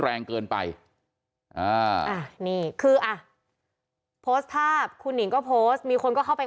แรงเกินไปอ่าอ่ะนี่คืออ่ะโพสต์ภาพคุณหนิงก็โพสต์มีคนก็เข้าไป